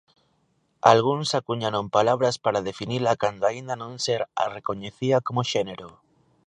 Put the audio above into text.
Algúns acuñaron palabras para definila cando aínda non se a recoñecía como xénero.